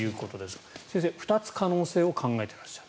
先生、２つ、可能性を考えてらっしゃる。